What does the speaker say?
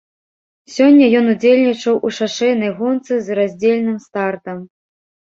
Сёння ён удзельнічаў у шашэйнай гонцы з раздзельным стартам.